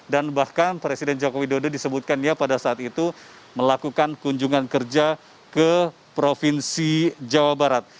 dan bahkan presiden joko widodo disebutkan pada saat itu melakukan kunjungan kerja ke provinsi jawa barat